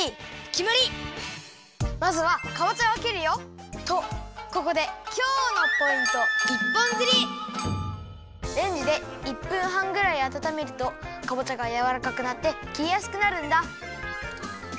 まずはかぼちゃをきるよ。とここでレンジで１分はんぐらいあたためるとかぼちゃがやわらかくなってきりやすくなるんだ。